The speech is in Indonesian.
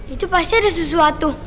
itu pasti ada sesuatu